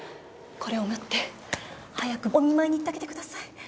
これを持って早くお見舞いに行ってあげてください。